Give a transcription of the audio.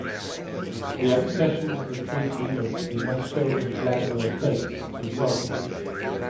The accession to the treaty of the "Moscow and Vladimir States" was welcomed.